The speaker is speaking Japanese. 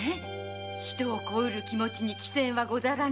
人を恋うる気持ちに貴賎はござらぬぞ。